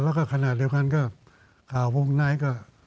แล้วก็ขณะเดียวกันก็ข่าววงในก็